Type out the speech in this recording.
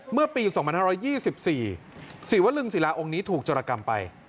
เมื่อปี๒๕๒๔ศิวลึงศิลาองค์นี้ถูกจรกรรมไป